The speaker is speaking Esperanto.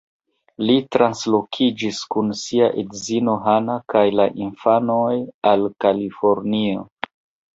Li translokiĝis kun sia edzino Hana kaj la infanoj al Kalifornio.